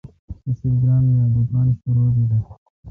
اسی درام می آلوگان شرو بیل۔